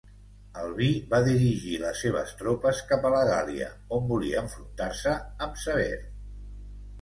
Albí va dirigir les seves tropes cap a la Gàl·lia, on volia enfrontar-se amb Sever.